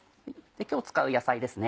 今日使う野菜ですね